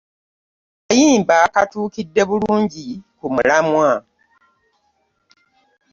Akayimba katuukidde bulungi ku mulamwa.